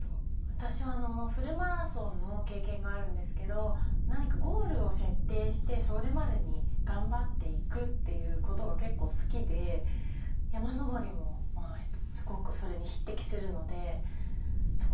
私はフルマラソンの経験があるんですけど何かゴールを設定してそれまでに頑張っていくということが結構好きで山登りもすごくそれに匹敵するのでそこから始めたのがそうですね